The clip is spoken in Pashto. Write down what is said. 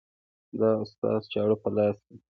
د استاد چاړه په لاس کې